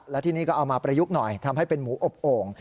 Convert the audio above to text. และที่นี่ก็เอามาประยุกต์หน่อยทำให้เป็นหมูอบโอ่ง